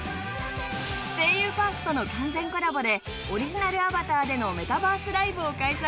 『声優パーク』との完全コラボでオリジナルアバターでのメタバースライブを開催。